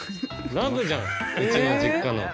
ラブじゃんうちの実家の。